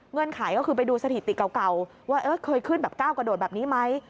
ไขก็คือไปดูสถิติเก่าว่าเคยขึ้นแบบก้าวกระโดดแบบนี้ไหม